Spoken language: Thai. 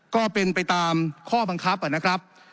ก็เป็นไปตามข้อบังคับนะครับ